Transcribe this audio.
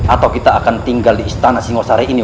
atau kita akan tinggal di istana singosari ini